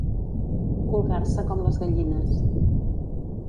Colgar-se com les gallines.